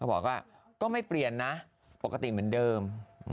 บอกว่าก็ไม่เปลี่ยนนะปกติเหมือนเดิม